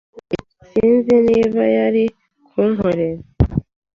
Sinzi niba yari kunkorera.